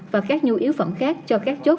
và các nhu yếu phẩm khác cho các chốt